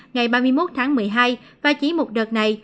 ngày ba mươi một tháng một mươi hai và chỉ một đợt này